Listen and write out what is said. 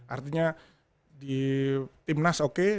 artinya di timnas oke